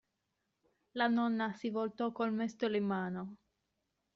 La nonna si voltò col mestolo in mano.